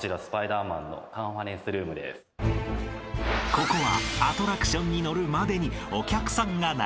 ［ここは］